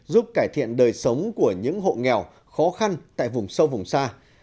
giúp cải thiện đời sống của những hộ nghèo khó khăn tại vùng sâu vùng xa